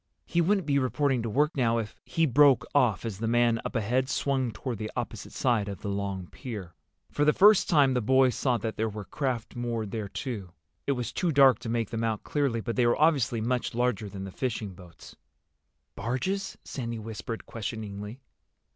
He wouldn't be reporting to work now if—" He broke off as the man, up ahead, swung toward the opposite side of the long pier. For the first time the boys saw that there were craft moored there too. It was too dark to make them out clearly, but they were obviously much larger than the fishing boats. "Barges?" Sandy whispered questioningly.